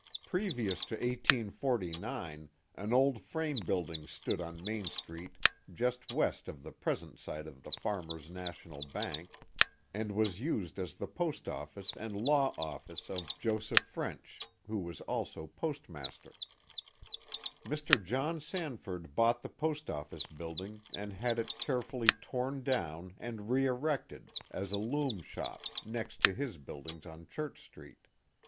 Previous to 1849 an old frame building stood on Main Street just west of the present site of the Farmers' National Bank, and was used as the post office and law office of Joseph French, who was also postmaster, Mr, John San ford bougiu the post office building and had it carefully torn down and re erected as a loom shop next to his buildings on Cliurch Street.